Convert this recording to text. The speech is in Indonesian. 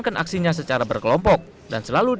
ketika petugas menangkap puluhan remaja dan pelajar